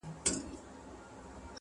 زه ټپه یم د ملالي چي زړېږم لا پخېږم,